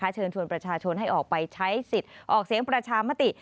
เชิญชวนประชาชนให้ออกไปใช้สิทธิ์ออกเสียงประชามติ